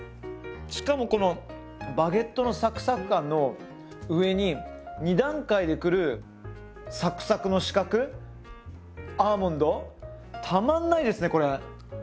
しかもこのバゲットのサクサク感の上に２段階で来るサクサクの刺客アーモンドたまんないですねこれ。